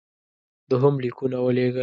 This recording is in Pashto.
دوهم لیکونه ولېږل.